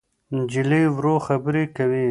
نجلۍ ورو خبرې کوي.